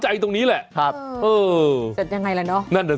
จะลงไหม